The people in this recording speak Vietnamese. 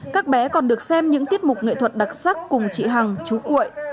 các bé còn được xem những tiết mục nghệ thuật đặc sắc cùng chị hằng chú cuội